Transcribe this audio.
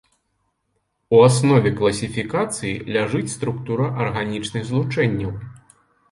У аснове класіфікацыі ляжыць структура арганічных злучэнняў.